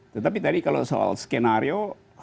tetapi tadi kalau soal skenario